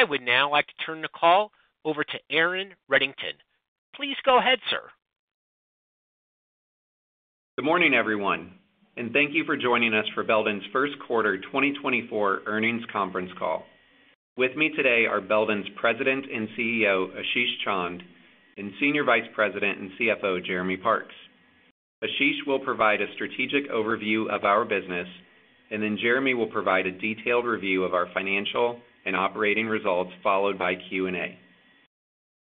I would now like to turn the call over to Aaron Redington. Please go ahead, sir. Good morning, everyone, and thank you for joining us for Belden's first quarter 2024 earnings Conference call. With me today are Belden's President and CEO, Ashish Chand, and Senior Vice President and CFO, Jeremy Parks. Ashish will provide a strategic overview of our business, and then Jeremy will provide a detailed review of our financial and operating results, followed by Q&A.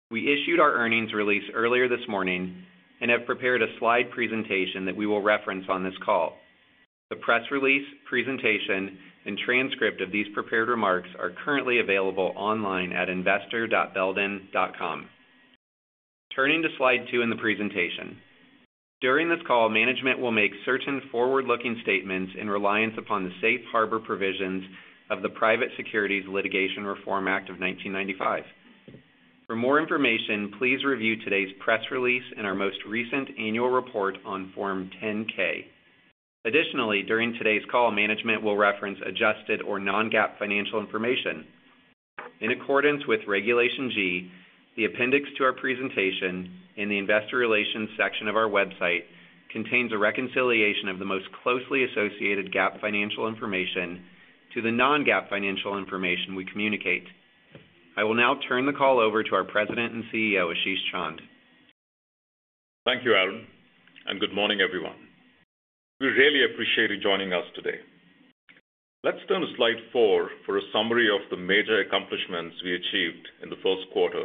We issued our earnings release earlier this morning and have prepared a slide presentation that we will reference on this call. The press release, presentation, and transcript of these prepared remarks are currently available online at investor.belden.com. Turning to slide two in the presentation. During this call, management will make certain forward-looking statements in reliance upon the safe harbor provisions of the Private Securities Litigation Reform Act of 1995. For more information, please review today's press release and our most recent annual report on Form 10-K. Additionally, during today's call, management will reference adjusted or non-GAAP financial information. In accordance with Regulation G, the appendix to our presentation in the investor relations section of our website contains a reconciliation of the most closely associated GAAP financial information to the non-GAAP financial information we communicate. I will now turn the call over to our President and CEO, Ashish Chand. Thank you, Aaron, and good morning, everyone. We really appreciate you joining us today. Let's turn to slide four for a summary of the major accomplishments we achieved in the first quarter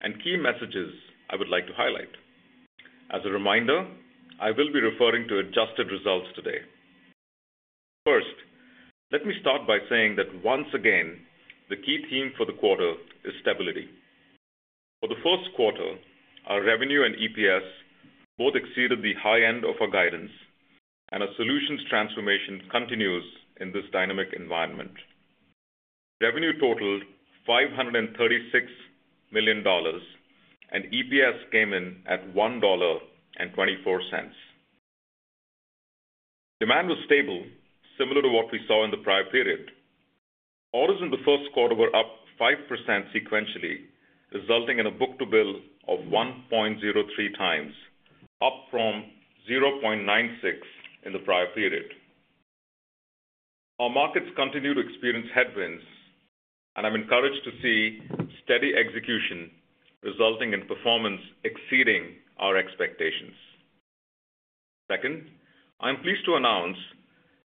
and key messages I would like to highlight. As a reminder, I will be referring to adjusted results today. First, let me start by saying that once again, the key theme for the quarter is stability. For the first quarter, our revenue and EPS both exceeded the high end of our guidance, and our solutions transformation continues in this dynamic environment. Revenue totaled $536 million, and EPS came in at $1.24. Demand was stable, similar to what we saw in the prior period. Orders in the first quarter were up 5% sequentially, resulting in a book-to-bill of 1.03x, up from 0.96 in the prior period. Our markets continue to experience headwinds, and I'm encouraged to see steady execution, resulting in performance exceeding our expectations. Second, I'm pleased to announce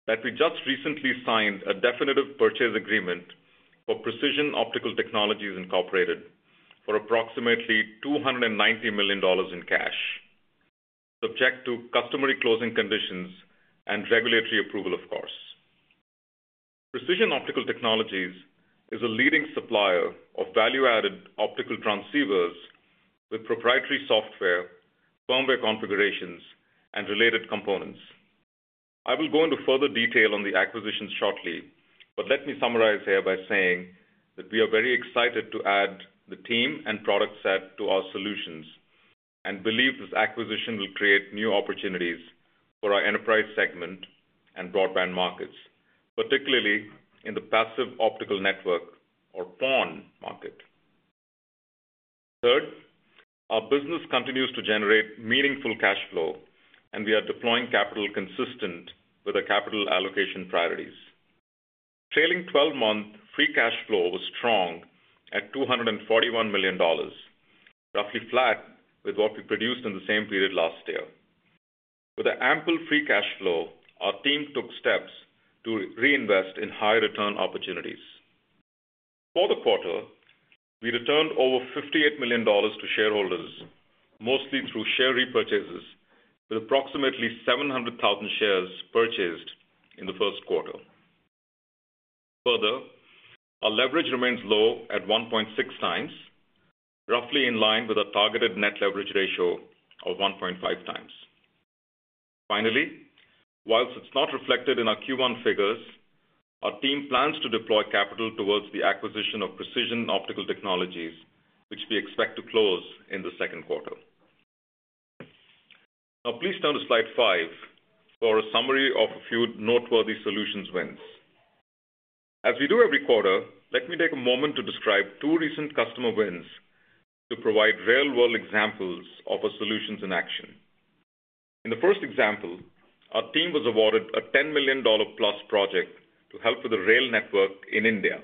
that we just recently signed a definitive purchase agreement for Precision Optical Technologies, Inc. for approximately $290 million in cash, subject to customary closing conditions and regulatory approval, of course. Precision Optical Technologies is a leading supplier of value-added optical transceivers with proprietary software, firmware configurations, and related components. I will go into further detail on the acquisition shortly, but let me summarize here by saying that we are very excited to add the team and product set to our solutions, and believe this acquisition will create new opportunities for our enterprise segment and broadband markets, particularly in the passive optical network or PON market. Third, our business continues to generate meaningful cash flow, and we are deploying capital consistent with our capital allocation priorities. Trailing 12-month free cash flow was strong at $241 million, roughly flat with what we produced in the same period last year. With the ample free cash flow, our team took steps to reinvest in high return opportunities. For the quarter, we returned over $58 million to shareholders, mostly through share repurchases, with approximately 700,000 shares purchased in the first quarter. Further, our leverage remains low at 1.6x, roughly in line with our targeted net leverage ratio of 1.5x. Finally, whilst it's not reflected in our Q1 figures, our team plans to deploy capital towards the acquisition of Precision Optical Technologies, which we expect to close in the second quarter. Now, please turn to slide five for a summary of a few noteworthy solutions wins. As we do every quarter, let me take a moment to describe two recent customer wins to provide real-world examples of our solutions in action. In the first example, our team was awarded a $10 million-plus project to help with the rail network in India.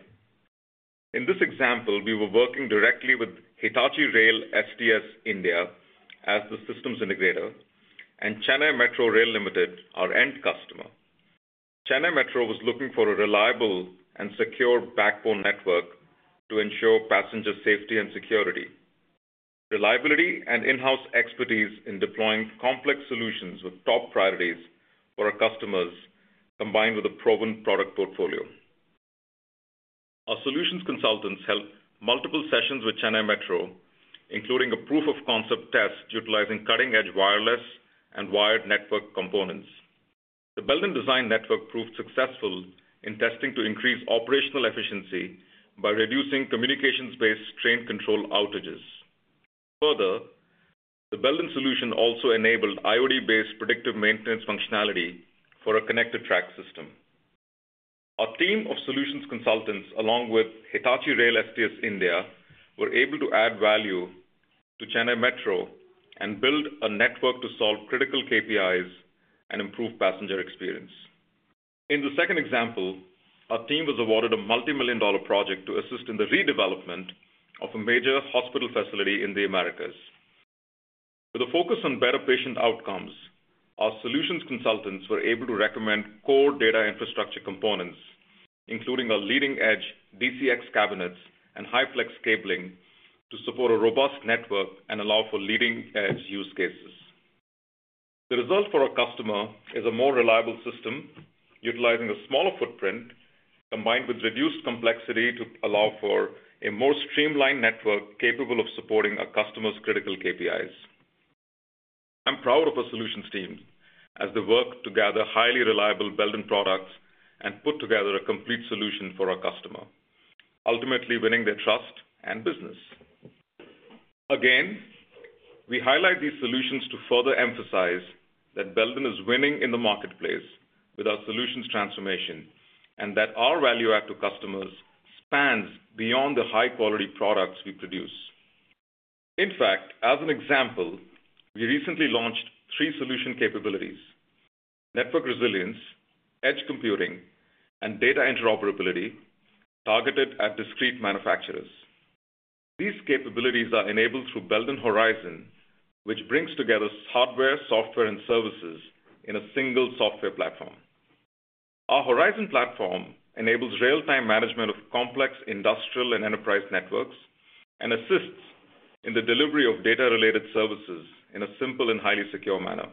In this example, we were working directly with Hitachi Rail STS India, as the systems integrator, and Chennai Metro Rail Limited, our end customer. Chennai Metro was looking for a reliable and secure backbone network to ensure passenger safety and security, reliability, and in-house expertise in deploying complex solutions with top priorities for our customers, combined with a proven product portfolio. Our solutions consultants held multiple sessions with Chennai Metro, including a proof of concept test utilizing cutting-edge wireless and wired network components. The Belden design network proved successful in testing to increase operational efficiency by reducing communications-based train control outages. Further, the Belden solution also enabled IoT-based predictive maintenance functionality for a connected track system. Our team of solutions consultants, along with Hitachi Rail STS India, were able to add value to Chennai Metro and build a network to solve critical KPIs and improve passenger experience. In the second example, our team was awarded a multimillion-dollar project to assist in the redevelopment of a major hospital facility in the Americas. With a focus on better patient outcomes, our solutions consultants were able to recommend core data infrastructure components, including our leading-edge DCX cabinets and high flex cabling, to support a robust network and allow for leading-edge use cases. The result for our customer is a more reliable system, utilizing a smaller footprint, combined with reduced complexity to allow for a more streamlined network capable of supporting our customer's critical KPIs. I'm proud of our solutions team as they work to gather highly reliable Belden products and put together a complete solution for our customer, ultimately winning their trust and business. Again, we highlight these solutions to further emphasize that Belden is winning in the marketplace with our solutions transformation, and that our value add to customers spans beyond the high-quality products we produce. In fact, as an example, we recently launched three solution capabilities: network resilience, edge computing, and data interoperability, targeted at discrete manufacturers. These capabilities are enabled through Belden Horizon, which brings together hardware, software, and services in a single software platform. Our Horizon platform enables real-time management of complex industrial and enterprise networks and assists in the delivery of data-related services in a simple and highly secure manner.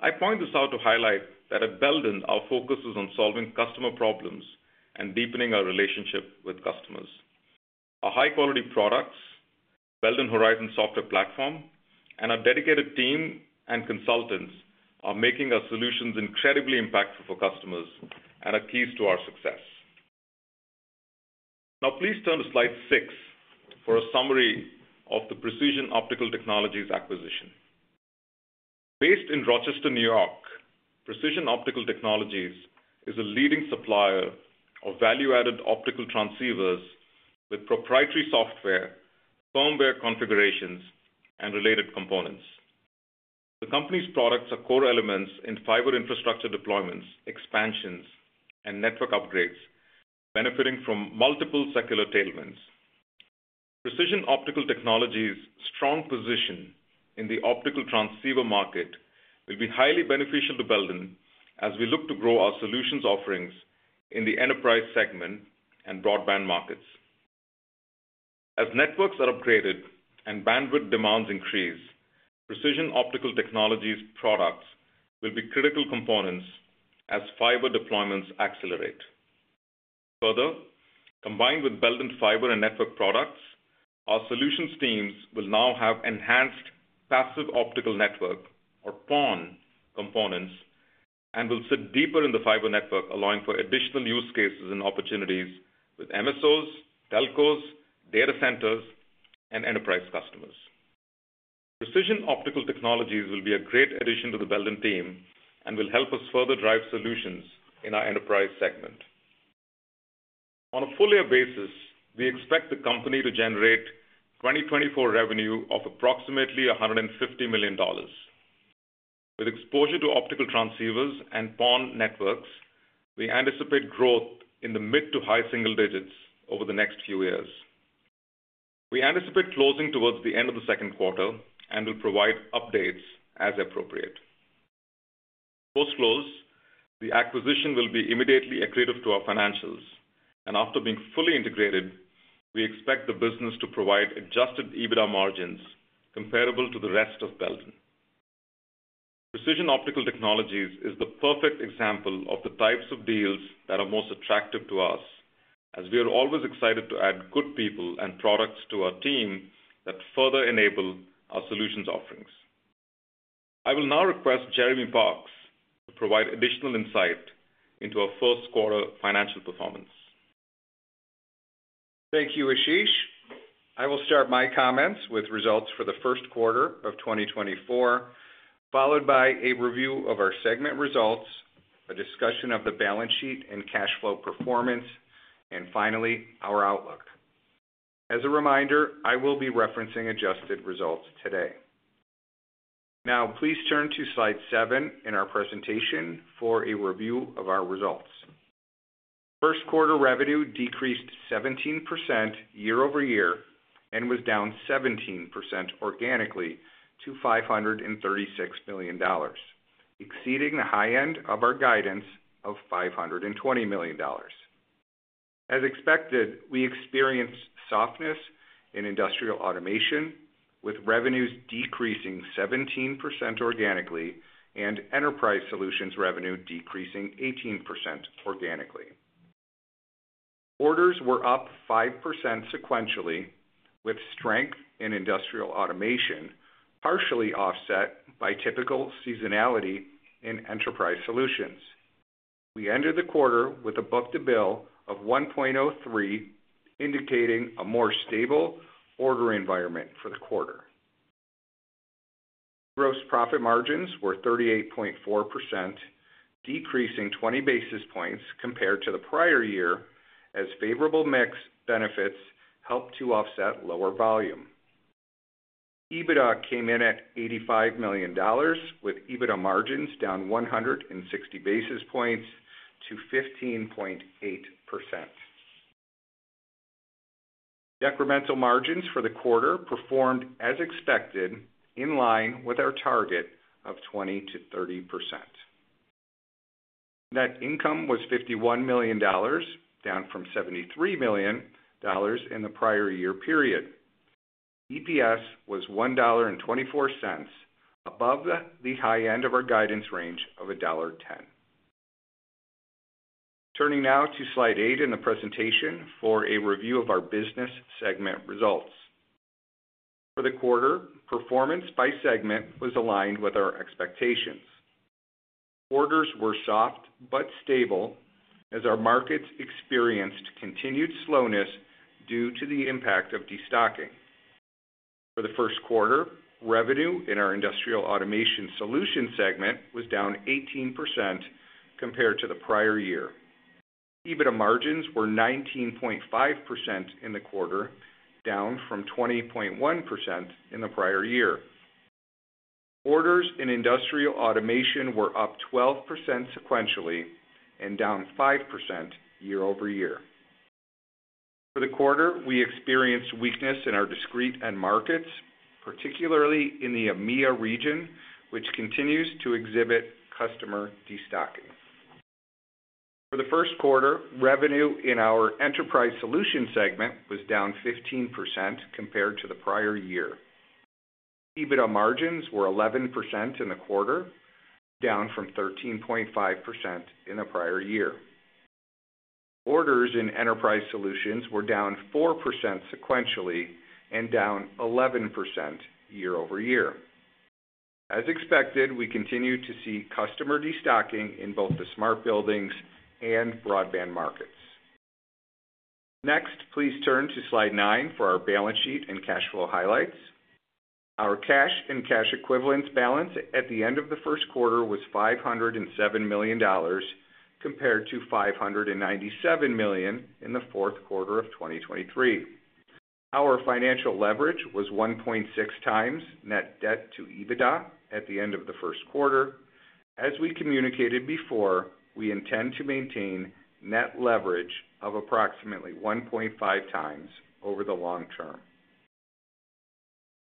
I point this out to highlight that at Belden, our focus is on solving customer problems and deepening our relationship with customers. Our high-quality products, Belden Horizon software platform, and our dedicated team and consultants are making our solutions incredibly impactful for customers and are keys to our success. Now, please turn to slide six for a summary of the Precision Optical Technologies acquisition. Based in Rochester, New York, Precision Optical Technologies is a leading supplier of value-added optical transceivers with proprietary software, firmware configurations, and related components. The company's products are core elements in fiber infrastructure deployments, expansions, and network upgrades, benefiting from multiple secular tailwinds. Precision Optical Technologies' strong position in the optical transceiver market will be highly beneficial to Belden as we look to grow our solutions offerings in the enterprise segment and broadband markets. As networks are upgraded and bandwidth demands increase, Precision Optical Technologies products will be critical components as fiber deployments accelerate. Further, combined with Belden fiber and network products, our solutions teams will now have enhanced passive optical network, or PON, components and will sit deeper in the fiber network, allowing for additional use cases and opportunities with MSOs, telcos, data centers, and enterprise customers. Precision Optical Technologies will be a great addition to the Belden team and will help us further drive solutions in our enterprise segment. On a full year basis, we expect the company to generate 2024 revenue of approximately $150 million. With exposure to optical transceivers and PON networks, we anticipate growth in the mid- to high-single digits over the next few years. We anticipate closing towards the end of the second quarter and will provide updates as appropriate. Post-close, the acquisition will be immediately accretive to our financials. And after being fully integrated, we expect the business to provide adjusted EBITDA margins comparable to the rest of Belden. Precision Optical Technologies is the perfect example of the types of deals that are most attractive to us, as we are always excited to add good people and products to our team that further enable our solutions offerings. I will now request Jeremy Parks to provide additional insight into our first quarter financial performance. Thank you, Ashish. I will start my comments with results for the first quarter of 2024, followed by a review of our segment results, a discussion of the balance sheet and cash flow performance, and finally, our outlook. As a reminder, I will be referencing adjusted results today. Now, please turn to slide seven in our presentation for a review of our results. First quarter revenue decreased 17% year-over-year and was down 17% organically to $536 million, exceeding the high end of our guidance of $520 million. As expected, we experienced softness in Industrial Automation, with revenues decreasing 17% organically, and Enterprise Solutions revenue decreasing 18% organically. Orders were up 5% sequentially, with strength in Industrial Automation, partially offset by typical seasonality in Enterprise Solutions.... We ended the quarter with a book to bill of 1.03, indicating a more stable order environment for the quarter. Gross profit margins were 38.4%, decreasing 20 basis points compared to the prior year, as favorable mix benefits helped to offset lower volume. EBITDA came in at $85 million, with EBITDA margins down 160 basis points to 15.8%. Decremental margins for the quarter performed as expected, in line with our target of 20%-30%. Net income was $51 million, down from $73 million in the prior year period. EPS was $1.24, above the high end of our guidance range of $1.10. Turning now to slide eight in the presentation for a review of our business segment results. For the quarter, performance by segment was aligned with our expectations. Orders were soft but stable, as our markets experienced continued slowness due to the impact of destocking. For the first quarter, revenue in our Industrial Automation segment was down 18% compared to the prior year. EBITDA margins were 19.5% in the quarter, down from 20.1% in the prior year. Orders in Industrial Automation were up 12% sequentially and down 5% year-over-year. For the quarter, we experienced weakness in our discrete end markets, particularly in the EMEA region, which continues to exhibit customer destocking. For the first quarter, revenue in our Enterprise Solutions segment was down 15% compared to the prior year. EBITDA margins were 11% in the quarter, down from 13.5% in the prior year. Orders in Enterprise Solutions were down 4% sequentially and down 11% year-over-year. As expected, we continued to see customer destocking in both the smart buildings and broadband markets. Next, please turn to slide nine for our balance sheet and cash flow highlights. Our cash and cash equivalents balance at the end of the first quarter was $507 million, compared to $597 million in the fourth quarter of 2023. Our financial leverage was 1.6x net debt to EBITDA at the end of the first quarter. As we communicated before, we intend to maintain net leverage of approximately 1.5x over the long term.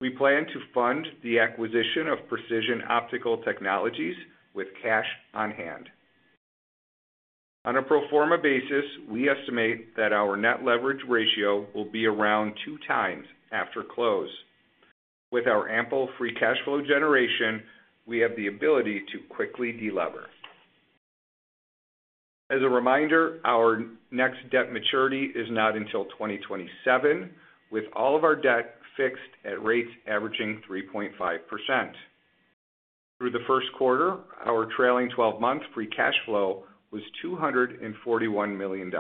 We plan to fund the acquisition of Precision Optical Technologies with cash on hand. On a pro forma basis, we estimate that our net leverage ratio will be around 2x after close. With our ample free cash flow generation, we have the ability to quickly delever. As a reminder, our next debt maturity is not until 2027, with all of our debt fixed at rates averaging 3.5%. Through the first quarter, our trailing 12-month free cash flow was $241 million.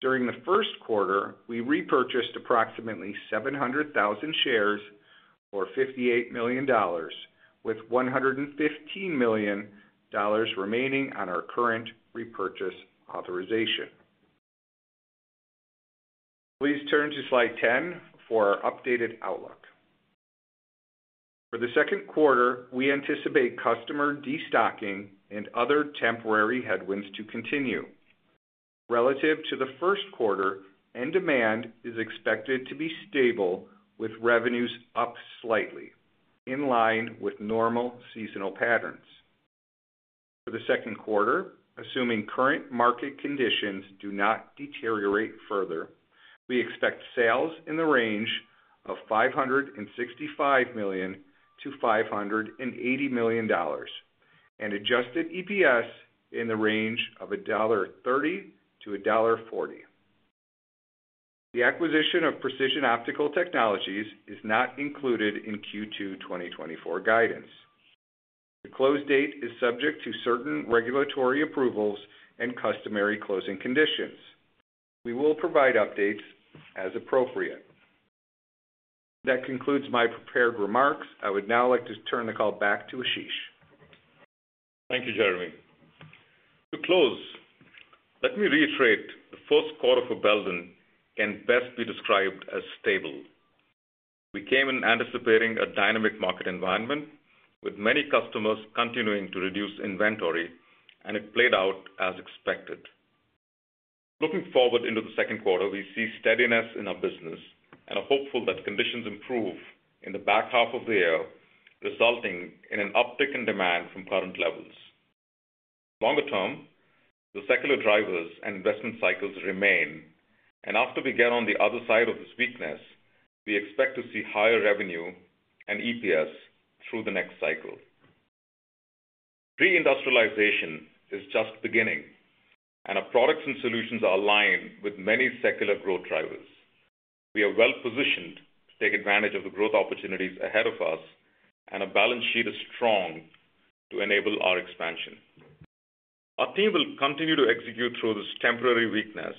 During the first quarter, we repurchased approximately 700,000 shares, or $58 million, with $115 million remaining on our current repurchase authorization. Please turn to slide 10 for our updated outlook. For the second quarter, we anticipate customer destocking and other temporary headwinds to continue. Relative to the first quarter, end demand is expected to be stable, with revenues up slightly, in line with normal seasonal patterns. For the second quarter, assuming current market conditions do not deteriorate further, we expect sales in the range of $565 million-$580 million, and adjusted EPS in the range of $1.30-$1.40. The acquisition of Precision Optical Technologies is not included in Q2 2024 guidance. The close date is subject to certain regulatory approvals and customary closing conditions. We will provide updates as appropriate. That concludes my prepared remarks. I would now like to turn the call back to Ashish. Thank you, Jeremy. To close, let me reiterate, the first quarter for Belden can best be described as stable. We came in anticipating a dynamic market environment, with many customers continuing to reduce inventory, and it played out as expected. Looking forward into the second quarter, we see steadiness in our business and are hopeful that conditions improve in the back half of the year, resulting in an uptick in demand from current levels. Longer term, the secular drivers and investment cycles remain, and after we get on the other side of this weakness, we expect to see higher revenue and EPS through the next cycle. Reindustrialization is just beginning, and our products and solutions are aligned with many secular growth drivers.... We are well positioned to take advantage of the growth opportunities ahead of us, and our balance sheet is strong to enable our expansion. Our team will continue to execute through this temporary weakness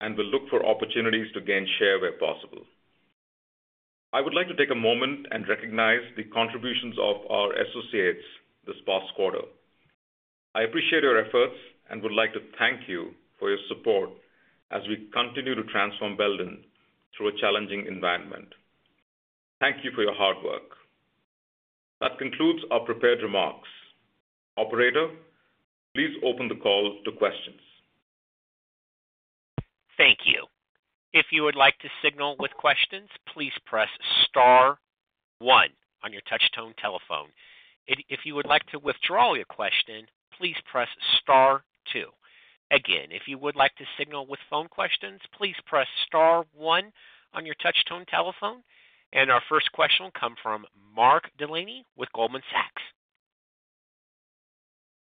and will look for opportunities to gain share where possible. I would like to take a moment and recognize the contributions of our associates this past quarter. I appreciate your efforts and would like to thank you for your support as we continue to transform Belden through a challenging environment. Thank you for your hard work. That concludes our prepared remarks. Operator, please open the call to questions. Thank you. If you would like to signal with questions, please press star one on your touchtone telephone. If you would like to withdraw your question, please press star two. Again, if you would like to signal with phone questions, please press star one on your touchtone telephone. Our first question will come from Mark Delaney with Goldman Sachs.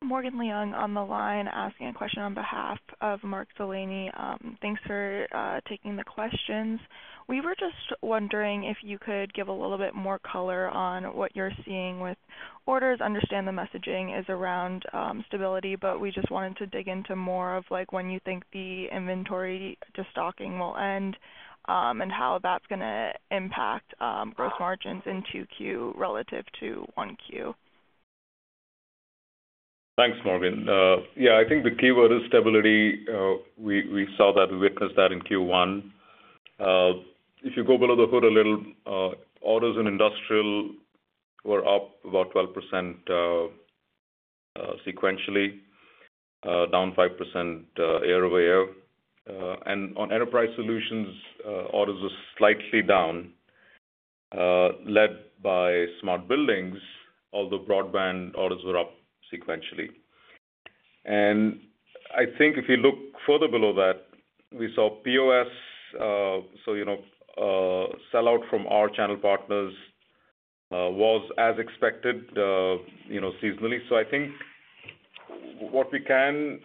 Morgan Leung on the line, asking a question on behalf of Mark Delaney. Thanks for taking the questions. We were just wondering if you could give a little bit more color on what you're seeing with orders. Understand the messaging is around stability, but we just wanted to dig into more of, like, when you think the inventory de-stocking will end, and how that's gonna impact growth margins in 2Q relative to 1Q. Thanks, Morgan. Yeah, I think the keyword is stability. We saw that, we witnessed that in Q1. If you go below the hood a little, orders in Industrial were up about 12%, sequentially, down 5%, year-over-year. And on Enterprise Solutions, orders were slightly down, led by Smart Buildings, although Broadband orders were up sequentially. And I think if you look further below that, we saw POS, so, you know, sell-out from our channel partners was as expected, you know, seasonally. So I think what we can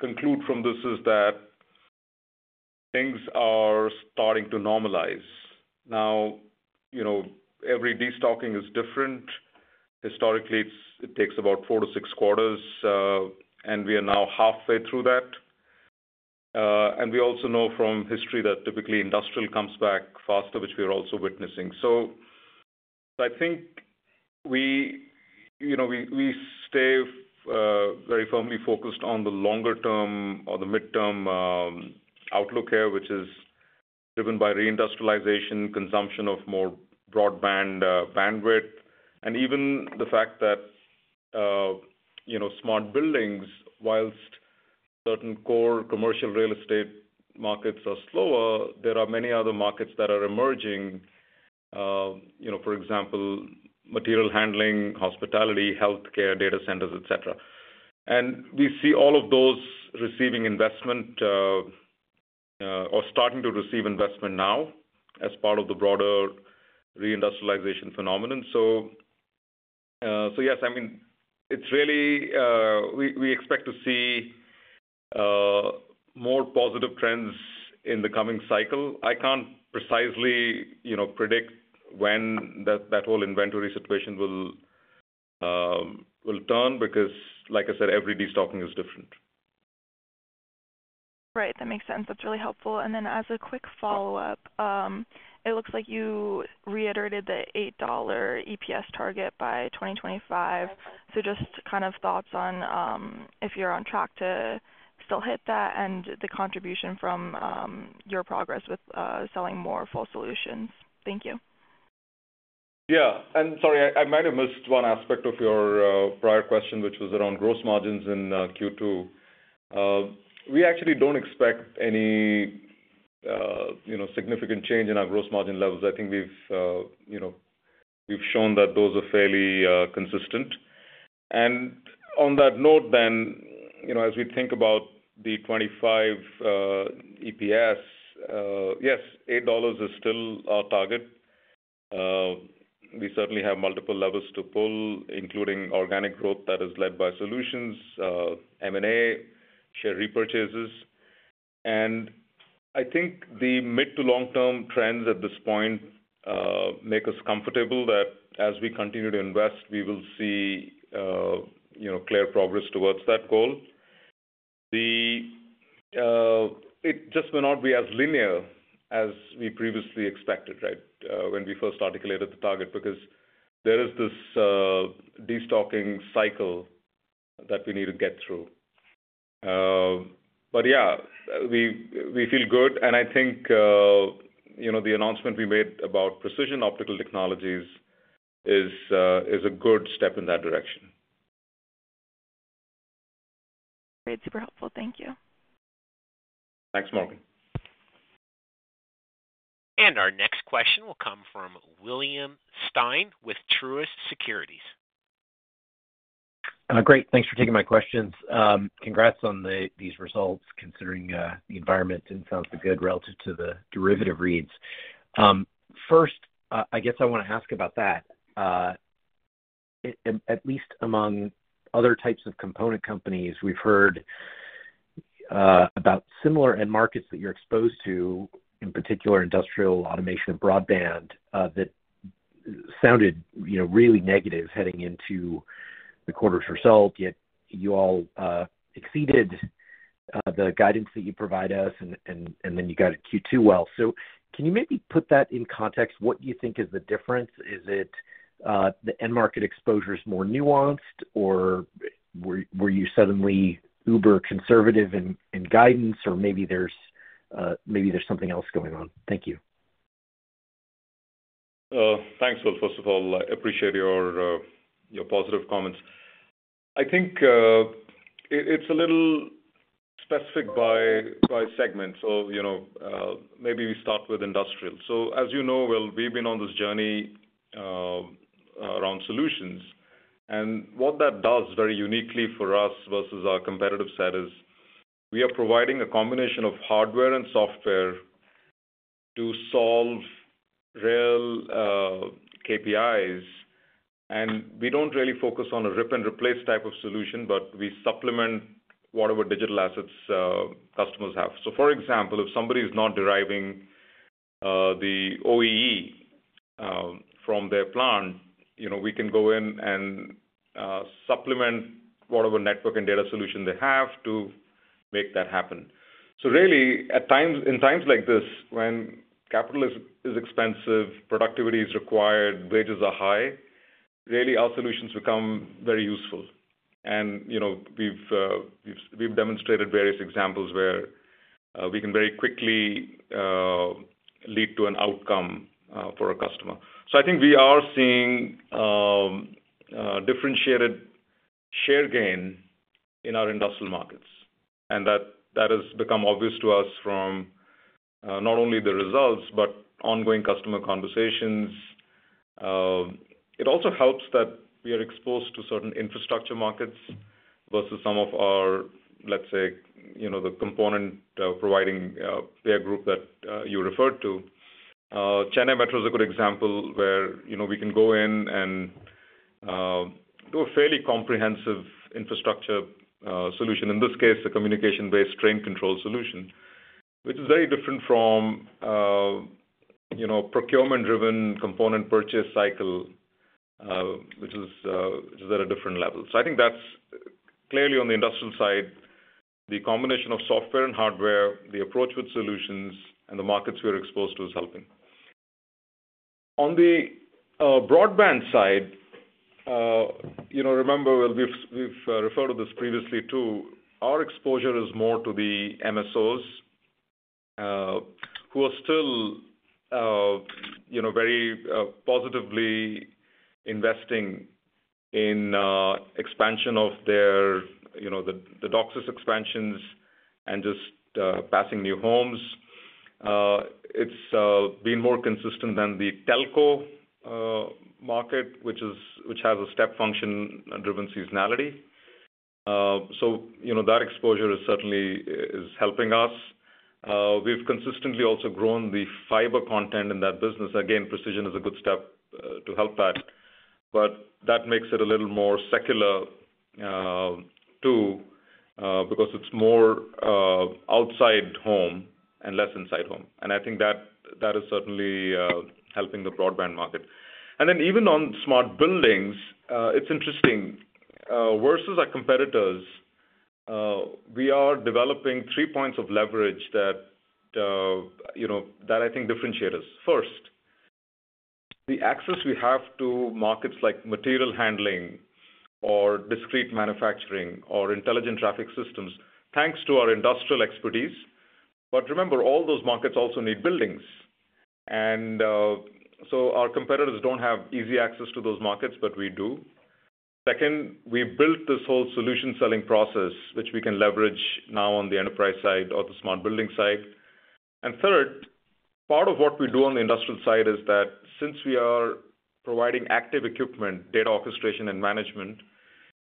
conclude from this is that things are starting to normalize. Now, you know, every de-stocking is different. Historically, it takes about four to six quarters, and we are now halfway through that. And we also know from history that typically industrial comes back faster, which we are also witnessing. So I think we, you know, we stay very firmly focused on the longer term or the midterm outlook here, which is driven by reindustrialization, consumption of more broadband bandwidth, and even the fact that, you know, smart buildings, whilst certain core commercial real estate markets are slower, there are many other markets that are emerging. You know, for example, material handling, hospitality, healthcare, data centers, et cetera. And we see all of those receiving investment or starting to receive investment now as part of the broader reindustrialization phenomenon. So yes, I mean, it's really we expect to see more positive trends in the coming cycle. I can't precisely, you know, predict when that whole inventory situation will turn, because like I said, every de-stocking is different. Right. That makes sense. That's really helpful. And then as a quick follow-up, it looks like you reiterated the $8 EPS target by 2025. So just kind of thoughts on, if you're on track to still hit that and the contribution from, your progress with, selling more full solutions. Thank you. Yeah, and sorry, I might have missed one aspect of your prior question, which was around gross margins in Q2. We actually don't expect any, you know, significant change in our gross margin levels. I think we've, you know, we've shown that those are fairly consistent. And on that note, then, you know, as we think about the 25 EPS, yes, $8 is still our target. We certainly have multiple levers to pull, including organic growth that is led by solutions, M&A, share repurchases. And I think the mid to long-term trends at this point make us comfortable that as we continue to invest, we will see, you know, clear progress towards that goal. It just may not be as linear as we previously expected, right, when we first articulated the target, because there is this de-stocking cycle that we need to get through. But yeah, we, we feel good, and I think, you know, the announcement we made about Precision Optical Technologies is a good step in that direction. Great. Super helpful. Thank you. Thanks, Morgan. Our next question will come from William Stein with Truist Securities. Great. Thanks for taking my questions. Congrats on these results, considering the environment and sounds are good relative to the derivative reads. First, I guess I want to ask about that. At least among other types of component companies, we've heard about similar end markets that you're exposed to, in particular, industrial automation and broadband, that sounded, you know, really negative heading into the quarter's result, yet you all exceeded the guidance that you provide us, and then you got Q2 well. So can you maybe put that in context? What you think is the difference? Is it the end market exposure is more nuanced, or were you suddenly uber conservative in guidance, or maybe there's something else going on? Thank you. Thanks, Will. First of all, I appreciate your, your positive comments. I think, it's a little specific by, by segment. So, you know, maybe we start with industrial. So as you know, Will, we've been on this journey around solutions, and what that does very uniquely for us versus our competitive set is, we are providing a combination of hardware and software to solve real KPIs. And we don't really focus on a rip-and-replace type of solution, but we supplement whatever digital assets, customers have. So for example, if somebody is not deriving the OEE from their plant, you know, we can go in and supplement whatever network and data solution they have to make that happen. So really, in times like this, when capital is expensive, productivity is required, wages are high, really, our solutions become very useful. And, you know, we've demonstrated various examples where we can very quickly lead to an outcome for a customer. So I think we are seeing differentiated share gain in our industrial markets, and that has become obvious to us from not only the results, but ongoing customer conversations. It also helps that we are exposed to certain infrastructure markets versus some of our, let's say, you know, the component providing peer group that you referred to. Chennai Metro is a good example where, you know, we can go in and do a fairly comprehensive infrastructure solution. In this case, a communications-based train control solution, which is very different from, you know, procurement-driven component purchase cycle, which is at a different level. So I think that's clearly on the industrial side, the combination of software and hardware, the approach with solutions and the markets we're exposed to is helping. On the broadband side, you know, remember, we've referred to this previously, too. Our exposure is more to the MSOs, who are still, you know, very positively investing in expansion of their, you know, the DOCSIS expansions and just passing new homes. It's been more consistent than the telco market, which has a step function driven seasonality. So, you know, that exposure is certainly helping us. We've consistently also grown the fiber content in that business. Again, Precision is a good step to help that, but that makes it a little more secular too, because it's more outside home and less inside home. And I think that, that is certainly helping the broadband market. And then even on smart buildings, it's interesting versus our competitors. We are developing three points of leverage that, you know, that I think differentiate us. First, the access we have to markets like material handling or discrete manufacturing or intelligent traffic systems, thanks to our industrial expertise. But remember, all those markets also need buildings. And so our competitors don't have easy access to those markets, but we do. Second, we built this whole solution-selling process, which we can leverage now on the enterprise side or the smart building side. And third, part of what we do on the industrial side is that since we are providing active equipment, data orchestration and management,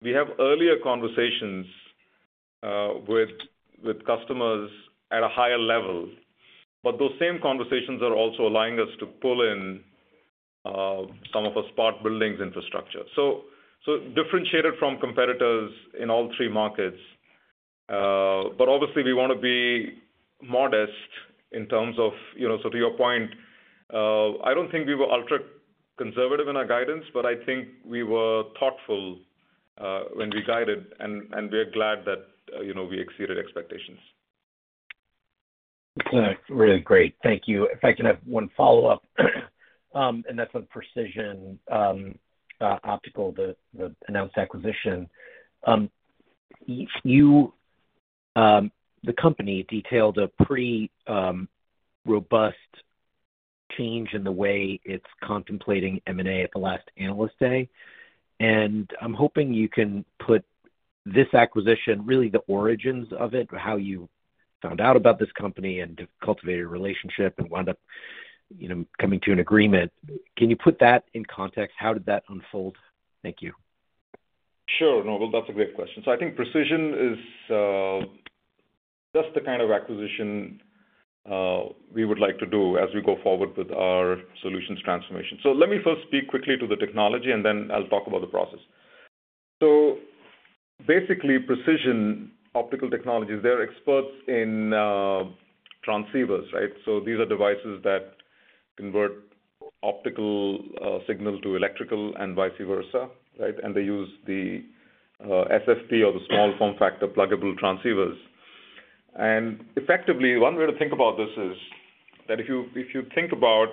we have earlier conversations with customers at a higher level, but those same conversations are also allowing us to pull in some of the smart buildings infrastructure. So, so differentiated from competitors in all three markets, but obviously we wanna be modest in terms of... You know, so to your point, I don't think we were ultra conservative in our guidance, but I think we were thoughtful when we guided, and we're glad that, you know, we exceeded expectations. Really great. Thank you. If I can have one follow-up, and that's on Precision Optical, the announced acquisition. The company detailed a pretty robust change in the way it's contemplating M&A at the last Analyst Day. And I'm hoping you can put this acquisition, really the origins of it, how you found out about this company and cultivated a relationship and wound up, you know, coming to an agreement. Can you put that in context? How did that unfold? Thank you.... Sure, Will, that's a great question. So I think Precision is just the kind of acquisition we would like to do as we go forward with our solutions transformation. So let me first speak quickly to the technology, and then I'll talk about the process. So basically, Precision Optical Technologies, they're experts in transceivers, right? So these are devices that convert optical signals to electrical and vice versa, right? And they use the SFP or the small form factor pluggable transceivers. And effectively, one way to think about this is that if you think about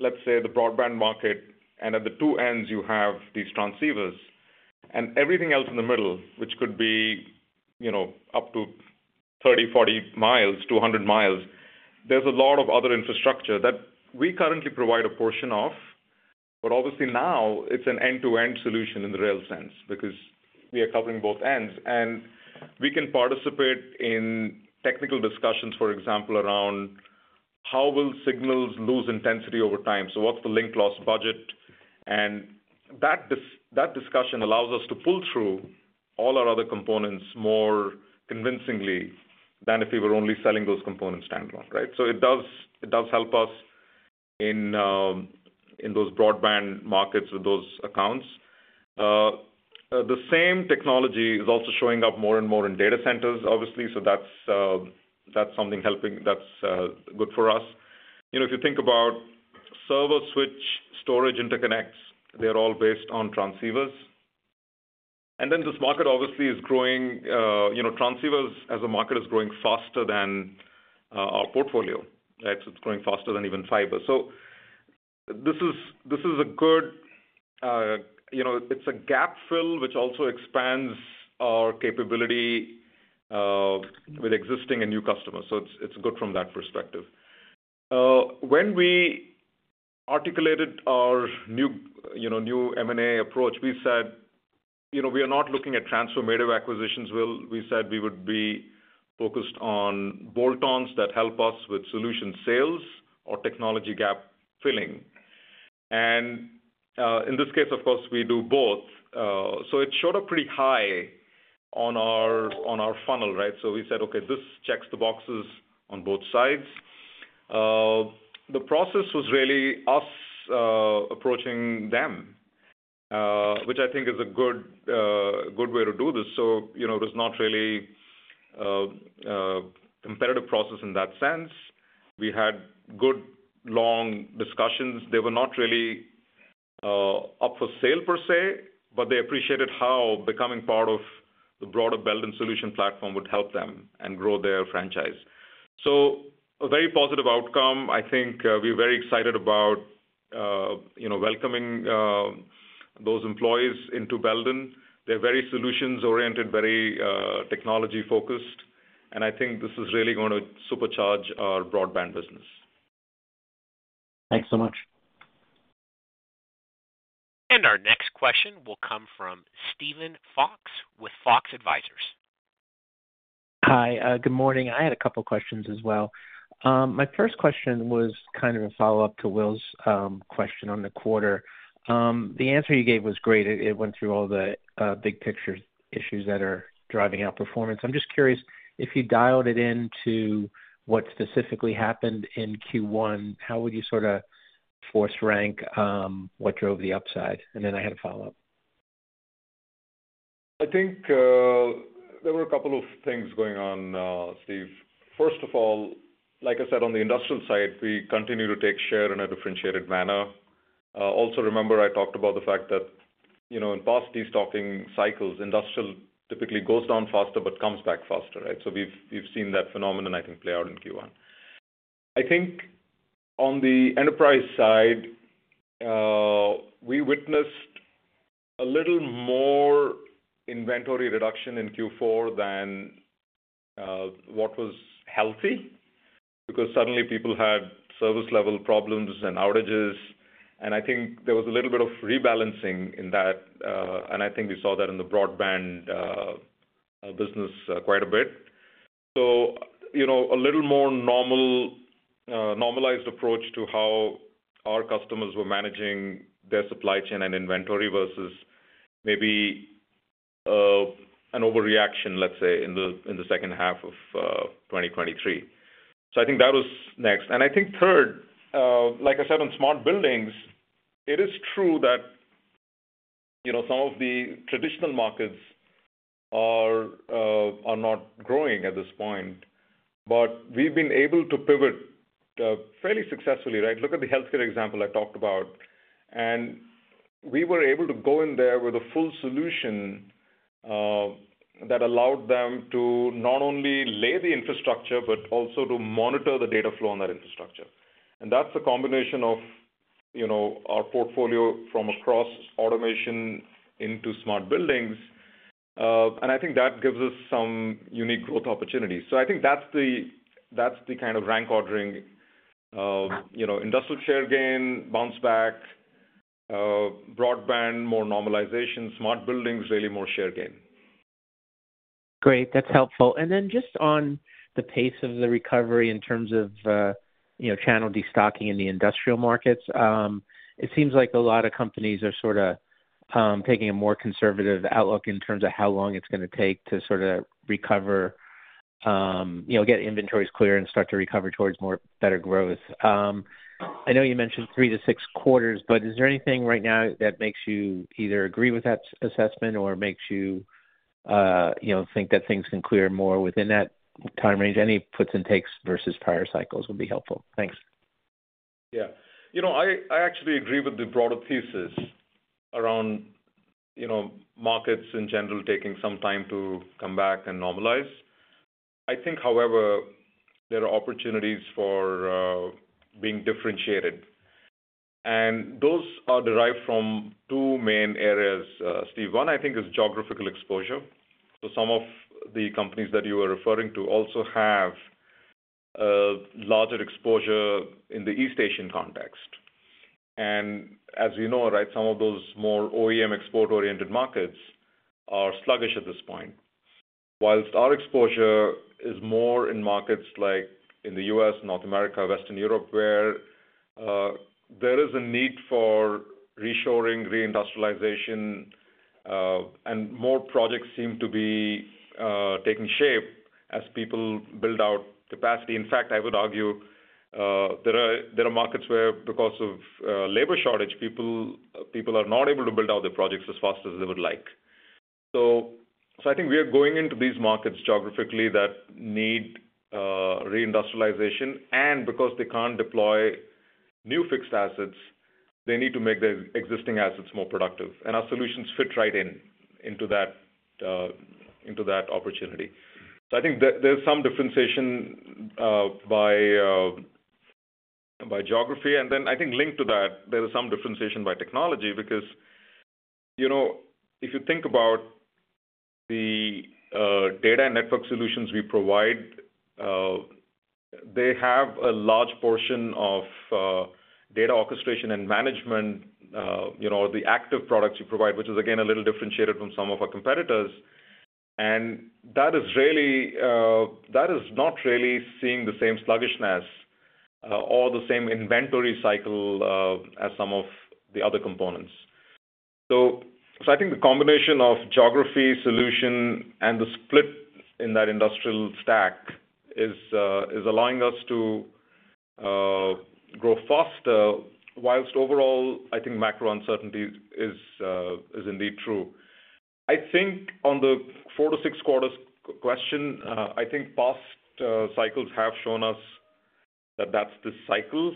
let's say, the broadband market, and at the two ends you have these transceivers and everything else in the middle, which could be, you know, up to 30 miles, 40 miles, 200 miles, there's a lot of other infrastructure that we currently provide a portion of. But obviously now it's an end-to-end solution in the real sense because we are covering both ends, and we can participate in technical discussions, for example, around how will signals lose intensity over time? So what's the link loss budget? And that discussion allows us to pull through all our other components more convincingly than if we were only selling those components standalone, right? So it does, it does help us in those broadband markets with those accounts. The same technology is also showing up more and more in data centers, obviously. So that's something helping. That's good for us. You know, if you think about server switch, storage, interconnects, they're all based on transceivers. And then this market obviously is growing, transceivers as a market is growing faster than our portfolio, right? It's growing faster than even fiber. So this is, this is a good, you know, it's a gap fill, which also expands our capability, with existing and new customers. So it's, it's good from that perspective. When we articulated our new, you know, new M&A approach, we said, "You know, we are not looking at transformative acquisitions." Well, we said we would be focused on bolt-ons that help us with solution sales or technology gap filling. And in this case, of course, we do both. So it showed up pretty high on our, on our funnel, right? So we said, "Okay, this checks the boxes on both sides." The process was really us, approaching them, which I think is a good, good way to do this. So, you know, it was not really, a competitive process in that sense. We had good, long discussions. They were not really up for sale per se, but they appreciated how becoming part of the broader Belden solution platform would help them and grow their franchise. So a very positive outcome. I think we're very excited about you know, welcoming those employees into Belden. They're very solutions oriented, very technology focused, and I think this is really going to supercharge our broadband business. Thanks so much. Our next question will come from Steven Fox with Fox Advisors. Hi, good morning. I had a couple questions as well. My first question was kind of a follow-up to Will's question on the quarter. The answer you gave was great. It went through all the big picture issues that are driving outperformance. I'm just curious, if you dialed it in to what specifically happened in Q1, how would you sorta force rank what drove the upside? And then I had a follow-up. I think, there were a couple of things going on, Steve. First of all, like I said, on the industrial side, we continue to take share in a differentiated manner. Also, remember I talked about the fact that, you know, in past destocking cycles, industrial typically goes down faster, but comes back faster, right? So we've seen that phenomenon, I think, play out in Q1. I think on the enterprise side, we witnessed a little more inventory reduction in Q4 than what was healthy, because suddenly people had service level problems and outages, and I think there was a little bit of rebalancing in that. And I think we saw that in the broadband business, quite a bit. So, you know, a little more normal, normalized approach to how our customers were managing their supply chain and inventory versus maybe, an overreaction, let's say, in the second half of 2023. So I think that was next. And I think third, like I said, on smart buildings, it is true that, you know, some of the traditional markets are not growing at this point, but we've been able to pivot, fairly successfully, right? Look at the healthcare example I talked about, and we were able to go in there with a full solution, that allowed them to not only lay the infrastructure, but also to monitor the data flow on that infrastructure. And that's a combination of, you know, our portfolio from across automation into smart buildings. And I think that gives us some unique growth opportunities. I think that's the, that's the kind of rank ordering of, you know, industrial share gain, bounce back, broadband, more normalization, smart buildings, really more share gain.... Great, that's helpful. And then just on the pace of the recovery in terms of, you know, channel destocking in the industrial markets. It seems like a lot of companies are sorta taking a more conservative outlook in terms of how long it's gonna take to sorta recover, you know, get inventories clear and start to recover towards more better growth. I know you mentioned three to six quarters, but is there anything right now that makes you either agree with that assessment or makes you, you know, think that things can clear more within that time range? Any puts and takes versus prior cycles will be helpful. Thanks. Yeah. You know, I actually agree with the broader thesis around, you know, markets in general taking some time to come back and normalize. I think, however, there are opportunities for being differentiated, and those are derived from two main areas, Steve. One, I think, is geographical exposure. So some of the companies that you are referring to also have a larger exposure in the East Asian context. And as you know, right, some of those more OEM export-oriented markets are sluggish at this point. While our exposure is more in markets like in the U.S., North America, Western Europe, where there is a need for reshoring, reindustrialization, and more projects seem to be taking shape as people build out capacity. In fact, I would argue, there are markets where, because of labor shortage, people are not able to build out their projects as fast as they would like. So I think we are going into these markets geographically that need reindustrialization, and because they can't deploy new fixed assets, they need to make their existing assets more productive, and our solutions fit right in, into that opportunity. So I think there's some differentiation by geography. And then I think linked to that, there is some differentiation by technology. Because, you know, if you think about the data and network solutions we provide, they have a large portion of data orchestration and management, you know, the active products we provide, which is again, a little differentiated from some of our competitors. That is not really seeing the same sluggishness, or the same inventory cycle, as some of the other components. So, I think the combination of geography, solution, and the split in that industrial stack is allowing us to grow faster, whilst overall, I think macro uncertainty is indeed true. I think on the four to six quarters question, I think past cycles have shown us that that's the cycle.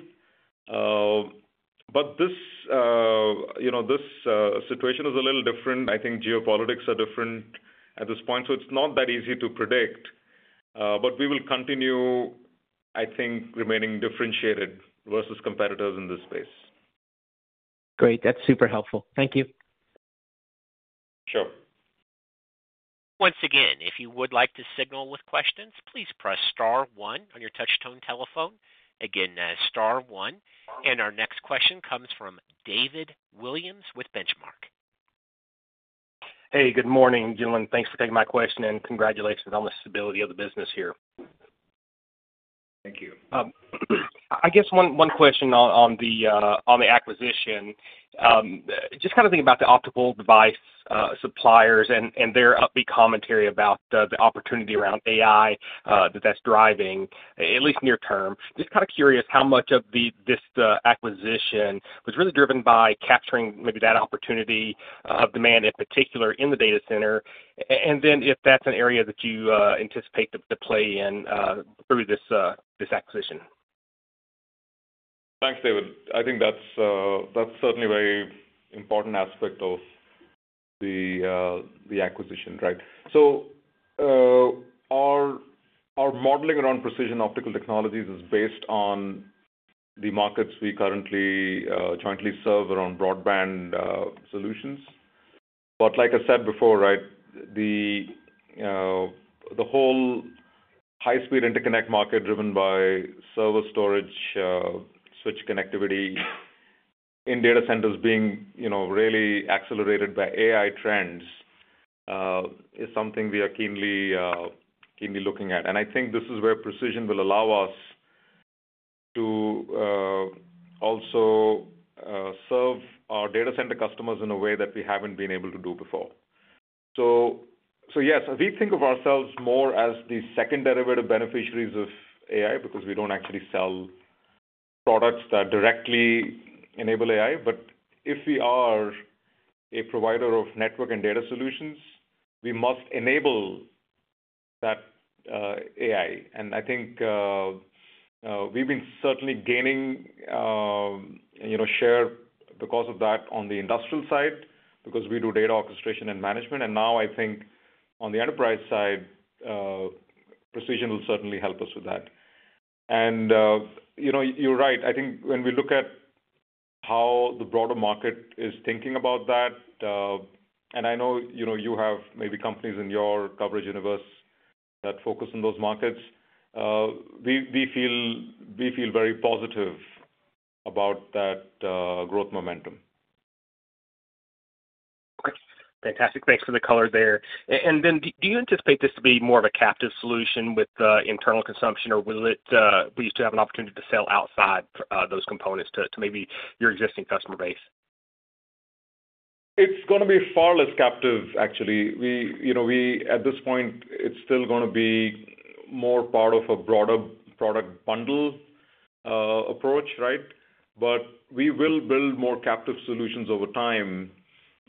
But this, you know, this situation is a little different. I think geopolitics are different at this point, so it's not that easy to predict. But we will continue, I think, remaining differentiated versus competitors in this space. Great. That's super helpful. Thank you. Sure. Once again, if you would like to signal with questions, please press star one on your touchtone telephone. Again, star one. Our next question comes from David Williams with Benchmark. Hey, good morning, gentlemen. Thanks for taking my question, and congratulations on the stability of the business here. Thank you. I guess one question on the acquisition. Just kind of thinking about the optical device suppliers and their upbeat commentary about the opportunity around AI that that's driving, at least near term. Just kind of curious how much of this acquisition was really driven by capturing maybe that opportunity of demand, in particular in the data center? And then if that's an area that you anticipate to play in through this acquisition. Thanks, David. I think that's, that's certainly a very important aspect of the, the acquisition, right? So, our, our modeling around Precision Optical Technologies is based on the markets we currently, jointly serve around broadband solutions. But like I said before, right, the, the whole high-speed interconnect market, driven by server storage, switch connectivity in data centers being, you know, really accelerated by AI trends, is something we are keenly, keenly looking at. And I think this is where Precision will allow us to, also, serve our data center customers in a way that we haven't been able to do before. So, so yes, we think of ourselves more as the second derivative beneficiaries of AI, because we don't actually sell products that directly enable AI. But if we are a provider of network and data solutions, we must enable that, AI. And I think, we've been certainly gaining, you know, share because of that on the industrial side, because we do data orchestration and management. And now I think on the enterprise side, precision will certainly help us with that. And, you know, you're right. I think when we look at how the broader market is thinking about that, and I know, you know, you have maybe companies in your coverage universe that focus on those markets, we feel very positive about that, growth momentum. ... Okay, fantastic. Thanks for the color there. And then do you anticipate this to be more of a captive solution with the internal consumption, or will you still have an opportunity to sell outside those components to maybe your existing customer base? It's gonna be far less captive, actually. We, you know, we at this point, it's still gonna be more part of a broader product bundle, approach, right? But we will build more captive solutions over time.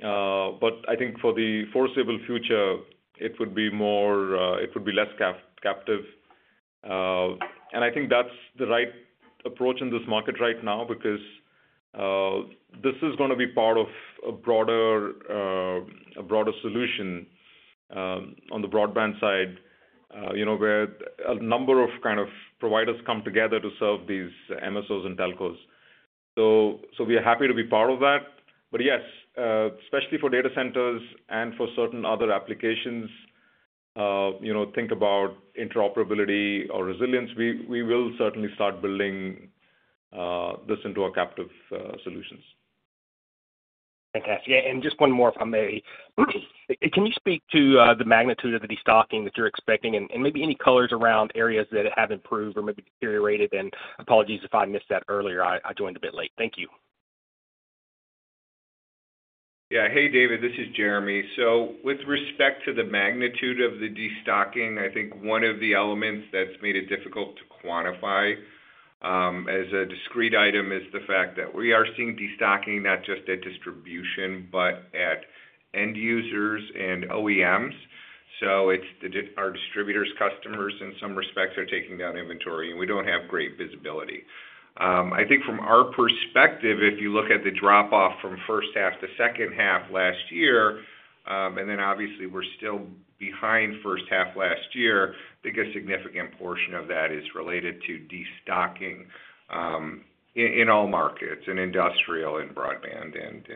But I think for the foreseeable future, it would be more, it would be less captive. And I think that's the right approach in this market right now, because, this is gonna be part of a broader, a broader solution, on the broadband side, you know, where a number of kind of providers come together to serve these MSOs and telcos. So we are happy to be part of that. But yes, especially for data centers and for certain other applications, you know, think about interoperability or resilience, we will certainly start building this into our captive solutions. Fantastic. Yeah, and just one more, if I may. Can you speak to, the magnitude of the destocking that you're expecting? And, and maybe any colors around areas that have improved or maybe deteriorated. And apologies if I missed that earlier, I, I joined a bit late. Thank you. Yeah. Hey, David, this is Jeremy. So with respect to the magnitude of the destocking, I think one of the elements that's made it difficult to quantify, as a discrete item, is the fact that we are seeing destocking not just at distribution, but at end users and OEMs. So it's our distributors' customers, in some respects, are taking down inventory, and we don't have great visibility. I think from our perspective, if you look at the drop off from first half to second half last year, and then obviously we're still behind first half last year, I think a significant portion of that is related to destocking, in all markets, in industrial, in broadband, and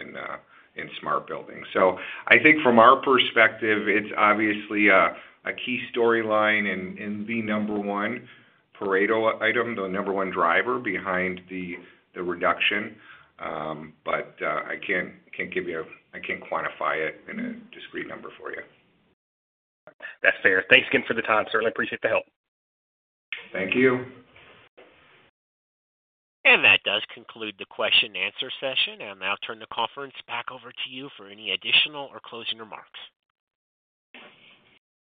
in smart buildings. So I think from our perspective, it's obviously a key storyline and the number one Pareto item, the number one driver behind the reduction. But I can't quantify it in a discrete number for you. That's fair. Thanks again for the time. Certainly appreciate the help. Thank you. That does conclude the question and answer session. I'll now turn the conference back over to you for any additional or closing remarks.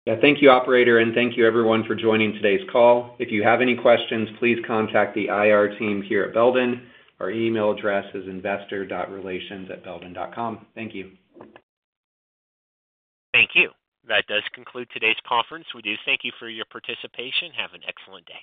Yeah, thank you, operator, and thank you everyone for joining today's call. If you have any questions, please contact the IR team here at Belden. Our email address is investor.relations@belden.com. Thank you. Thank you. That does conclude today's conference. We do thank you for your participation. Have an excellent day.